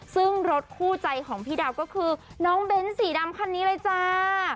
ซึ่งรถคู่ใจของพี่ดาวก็คือน้องเบ้นสีดำคันนี้เลยจ้า